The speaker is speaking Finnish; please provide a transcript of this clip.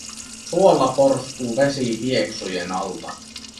Suolla porskuu vesi pieksujen alta.